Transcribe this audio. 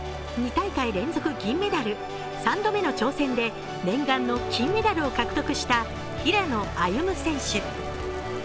２大会連続銀メダル、３度目の挑戦で念願の金メダルを獲得した平野歩夢選手。